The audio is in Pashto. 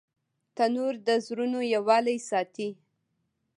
تنور د زړونو یووالی ساتي